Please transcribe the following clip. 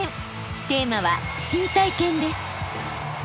テーマは「新体験」です。